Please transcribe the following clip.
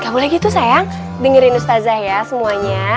gak boleh gitu sayang dengerin ustazah ya semuanya